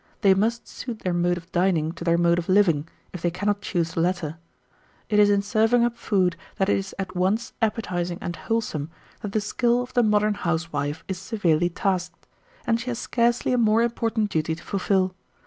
They must suit their mode of dining to their mode of living, if they cannot choose the latter. It is in serving up food that is at once appetizing and wholesome that the skill of the modern housewife is severely tasked; and she has scarcely a more important duty to fulfil.